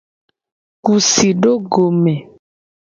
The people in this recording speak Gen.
Ku si do go me.